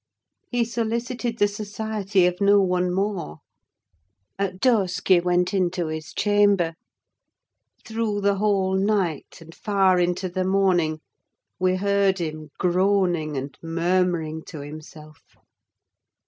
He solicited the society of no one more. At dusk he went into his chamber. Through the whole night, and far into the morning, we heard him groaning and murmuring to himself.